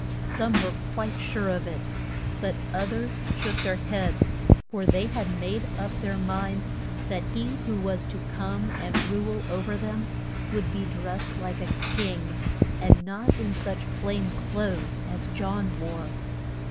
Some were quite sure of it; but oth ers shook their heads, for they had made up their minds that he who was to come and rule o ver them would be dressed like a king, and not in such plain clothes as John wore.